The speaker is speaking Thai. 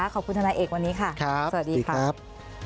โปรดติดตามตอนต่อไป